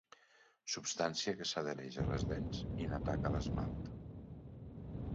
Substància que s'adhereix a les dents i n'ataca l'esmalt.